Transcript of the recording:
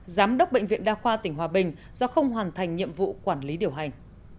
giám đốc bệnh viện đa khoa tỉnh hòa bình do không hoàn thành nhiệm vụ quản lý điều hành